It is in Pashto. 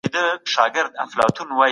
مه پرېږدئ چي ټولنه خرابه سي.